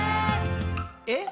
「え？